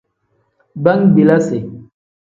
Bangbilasi.